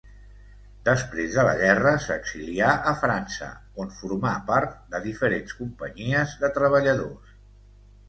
Després de la guerra s'exilià a França, on formà part de diferents companyies de treballadors.